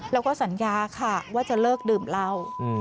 แล้วก็สัญญาค่ะว่าจะเลิกดื่มเหล้า